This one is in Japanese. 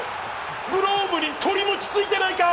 グローブにとりもち付いてないか？